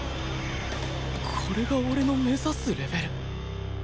これが俺の目指すレベル